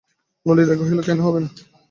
ললিতা কহিল, কেন হবে না?